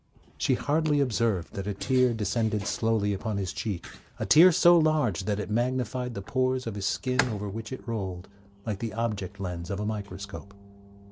'She hardly observed that a tear descended slowly upon his cheek, a tear so large that it magnified the pores of the skin over which it rolled, like the object lens of a microscope.'